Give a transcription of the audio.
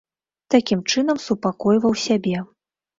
Такім чынам супакойваў сябе.